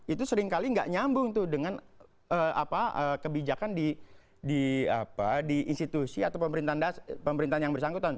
itu seringkali nggak nyambung tuh dengan kebijakan di institusi atau pemerintahan yang bersangkutan